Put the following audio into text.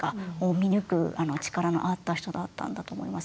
見抜く力のあった人だったんだと思います。